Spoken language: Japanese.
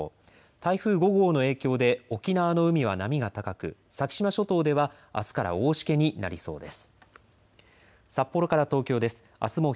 台風５号の影響で沖縄の海は波が高く先島諸島ではあすから大しけになりそうです。